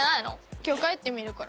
今日帰って見るから。